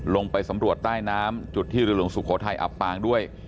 ลงไปสำรวจใต้น้ำจุดที่เรือหลวงสุโขทัยอับปางด้วย